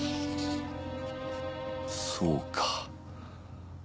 そうか。